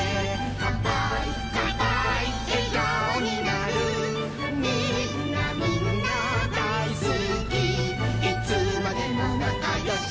「かんぱーいかんぱーいえがおになる」「みんなみんなだいすきいつまでもなかよし」